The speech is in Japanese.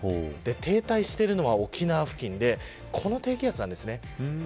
停滞しているのは沖縄付近でこの低気圧なんです。